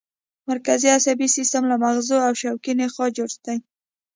مرکزي عصبي سیستم له مغزو او شوکي نخاع جوړ دی